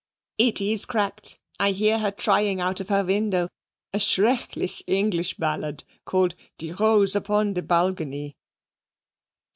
"It is cracked; I hear her trying out of her window a schrecklich English ballad, called 'De Rose upon de Balgony.'"